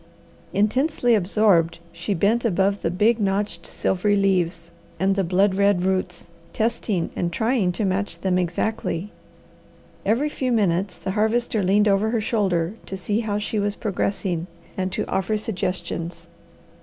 Intensely absorbed she bent above the big, notched, silvery leaves and the blood red roots, testing and trying to match them exactly. Every few minutes the Harvester leaned over her shoulder to see how she was progressing and to offer suggestions.